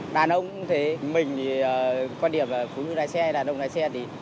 đàn ông cũng thế mình thì quan điểm là phụ nữ lái xe hay đàn ông lái xe thì